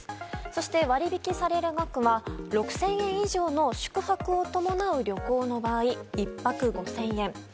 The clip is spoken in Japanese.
そして、割引される額は６０００円以上の宿泊を伴う旅行の場合１泊６０００円。